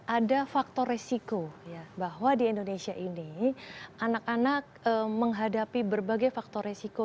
ada faktor resiko bahwa di indonesia ini anak anak menghadapi berbagai faktor resiko